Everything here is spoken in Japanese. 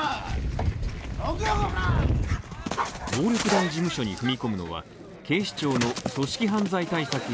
暴力団事務所に踏み込むのは警視庁の組織犯罪対策